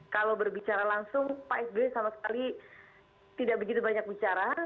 kalau berbicara langsung pak sby sama sekali tidak begitu banyak bicara